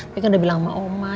tapi kan udah bilang sama oma